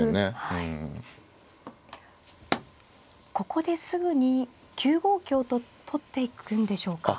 ここですぐに９五香と取っていくんでしょうか。